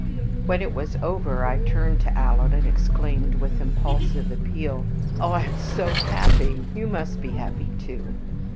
When it was over I turned to Alan, and exclaimed with impulsive appeal, "Oh, I am so happy, you must be happy too!"